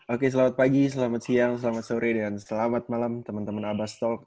oke selamat pagi selamat siang selamat sore dan selamat malam teman teman abbas talk